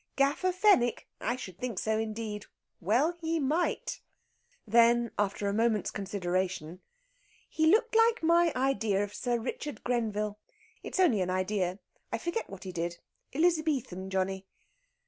"Gaffer Fenwick? I should think so indeed! Well he might!" Then, after a moment's consideration: "He looked like my idea of Sir Richard Grenville. It's only an idea. I forget what he did. Elizabethan johnny."